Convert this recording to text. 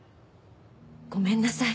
ごめんなさい。